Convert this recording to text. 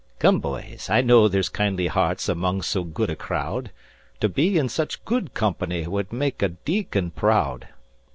"Come, boys, I know there's kindly hearts among so good a crowd To be in such good company would make a deacon proud.